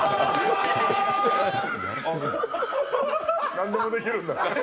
なんでもできるんだ。